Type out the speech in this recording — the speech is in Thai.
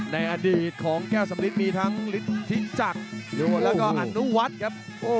ในอดีตของแก้วสำลิดมีทั้งฤทธิจักรแล้วก็อนุวัฒน์ครับ